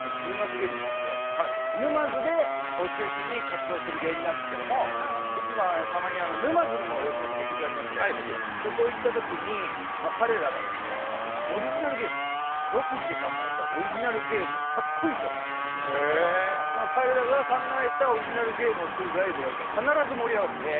芸人でして沼津を中心に活動している芸人なんですけど、いつもたまに沼津にも吉本劇場ありまして、そこに行ったときに彼らがオリジナルゲームを１００個以上持っていまして、その彼らが考えたオリジナルゲームをすると必ず盛り上がるんですよ。